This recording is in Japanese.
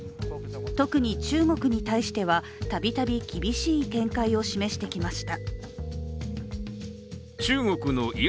特に中国に対しては度々厳しい見解を示してきました。